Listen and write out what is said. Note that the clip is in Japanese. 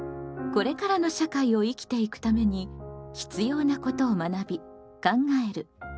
これからの社会を生きていくために必要なことを学び考える「公共」。